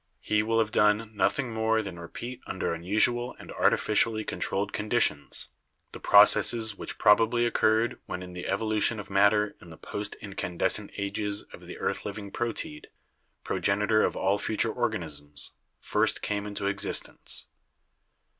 He will have done 54 BIOLOGY nothing more than repeat under unusual and artificially controlled conditions the processes which probably occurred when in the evolution of matter in the post incandescent ages of the earth living proteid, progenitor of all future organisms, first came into existence.